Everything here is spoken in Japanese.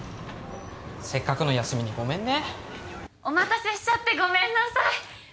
せっかくの休みにごめんねお待たせしちゃってごめんなさい